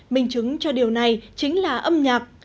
mình chứng cho điều này chính là âm nhạc